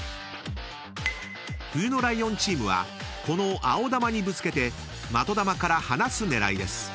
［冬のライオンチームはこの青球にぶつけて的球から離す狙いです］